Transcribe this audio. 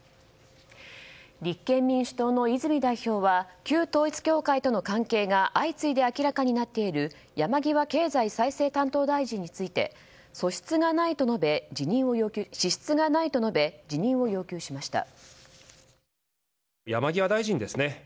立憲民主党の泉代表は旧統一教会との関係が相次いで明らかになっている山際経済再生担当大臣について素質がないと述べ辞任を要求しました。